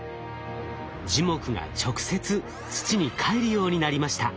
樹木が直接土にかえるようになりました。